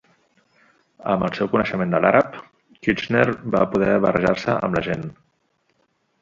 Amb el seu coneixement de l'àrab, Kitchener va poder barrejar-se amb la gent.